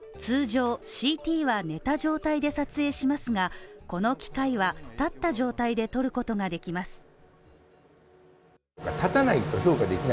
通常、ＣＴは寝た状態で撮影しますが、この機械は立った状態で撮ることができます。